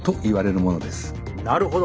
なるほど。